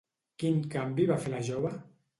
Quin canvi va fer la jove?